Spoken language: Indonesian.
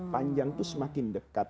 panjang itu semakin dekat